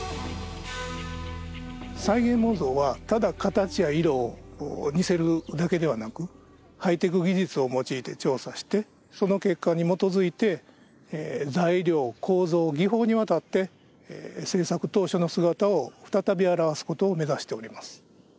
再現模造はただ形や色を似せるだけではなくハイテク技術を用いて調査してその結果に基づいて材料構造技法にわたって制作当初の姿を再び現すことを目指しております。